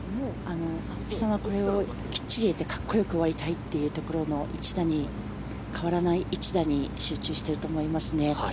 青木さんはこれをきっちり入れてかっこよく終わりたいという変わらない一打に集中していると思いますね。